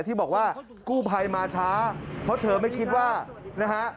ที่บอกว่ากู้ภัยมาช้าเพราะเธอไม่คิดว่านะฮะ